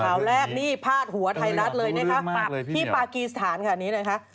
ข่าวแรกนี่พาดหัวไทยรัฐเลยนะคะที่ปากีสถานค่ะนี้นะคะ